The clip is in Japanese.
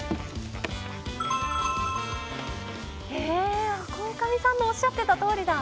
へえ鴻上さんのおっしゃってたとおりだ。